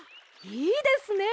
いいですね！